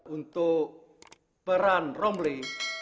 untuk peran romli